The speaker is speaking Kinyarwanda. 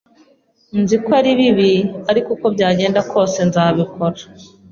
Nzi ko ari bibi, ariko uko byagenda kose nzabikora.